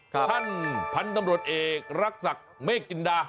ท่านพันธมรตเอกรักษักเมฆจินดา